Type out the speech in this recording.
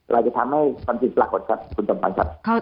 เราจะทำให้สำคัญสิ่งตลาดหมดครับคุณจำกรรมครับ